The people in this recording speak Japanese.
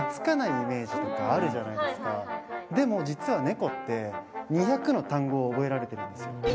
でも実は猫って２００の単語を覚えられてるんですよ。